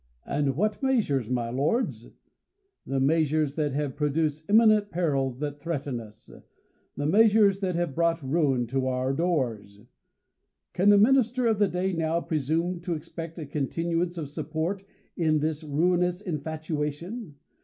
And v.Lat measures, my lords ? The measures diat have pro duced imminent perils that threaten us ; the measures that have brought ruin to our doors. Can the Minister of the day now presume to expect a continuance of support, in this ruinous infatuation